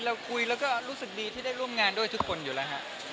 เราคุยแล้วก็รู้สึกดีที่ได้ร่วมงานด้วยทุกคนอยู่แล้วฮะ